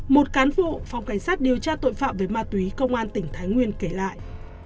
một cán bộ phòng cảnh sát điều tra tội phạm về ma túy công an tỉnh thái nguyên kể lại